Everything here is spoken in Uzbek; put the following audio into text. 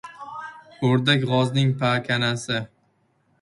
O‘rdak — g‘ozning pakanasi.